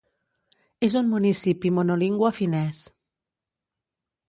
És un municipi monolingüe finès.